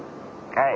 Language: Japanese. はい。